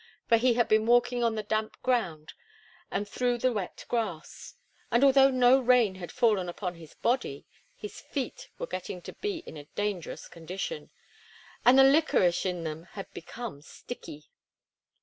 For he had been walking on the damp ground and through the wet grass; and although no rain had fallen upon his body, his feet were getting to be in a dangerous condition, and the licorice in them had become sticky.